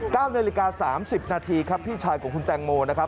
ก้าวในราณ๓๐นาทีครับพี่ชายของคุณแต่งโมนะครับ